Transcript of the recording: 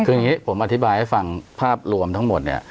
คืออย่างนี้ผมอธิบายให้ฟังภาพรวมทั้งหมดเนี่ย